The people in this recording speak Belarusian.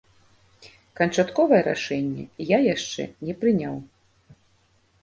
Канчатковае рашэнне я яшчэ не прыняў.